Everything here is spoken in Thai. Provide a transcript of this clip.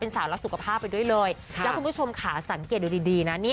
เป็นสาวรักษีสุขภาพไปด้วยเลยแล้วคุณผู้ชมขาสังเกตดูดีนะ